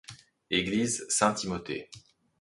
Église Saint-Timothée.